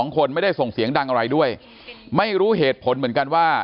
คนไม่ได้ส่งเสียงดังอะไรด้วยไม่รู้เหตุผลเหมือนกันว่า